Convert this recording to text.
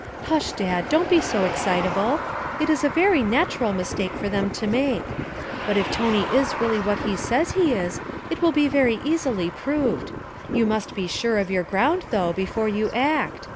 'Hush, Dad! Don't be so excitable. It was a very natural mistake for them to make. But if Tony is really what he says he is it will be very easily proved. You must be sure of your ground, though, before you act.